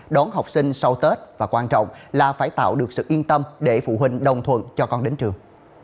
đón học sinh sau tết và quan trọng là phải tạo được sự yên tâm để phụ huynh đồng thuận cho con đến trường